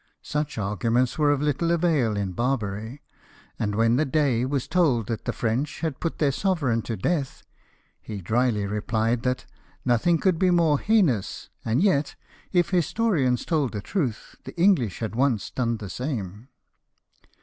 Such arguments were of little avail in Barbary ; and when the Dey was told that the French had put their sovereign to death, he drily replied that " Nothing could be more heinous ; and yet, if historians told the truth, the English had once done the same."